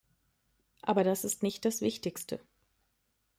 Aber das ist nicht das Wichtigste.